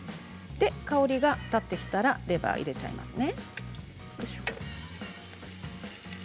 香りが立ってきたらレバーを入れちゃいますね。